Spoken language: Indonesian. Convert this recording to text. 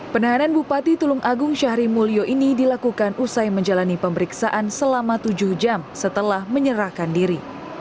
penahanan bupati tulung agung syahri mulyo ini dilakukan usai menjalani pemeriksaan selama tujuh jam setelah menyerahkan diri